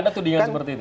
ada tudingan seperti itu